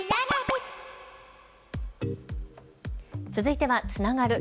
続いてはつながる。